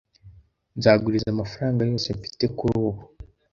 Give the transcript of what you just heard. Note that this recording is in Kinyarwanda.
Nzaguriza amafaranga yose mfite kuri ubu